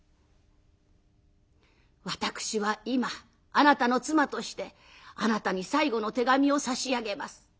「私は今あなたの妻としてあなたに最後の手紙を差し上げます。